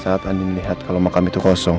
saat andi melihat kalau makam itu kosong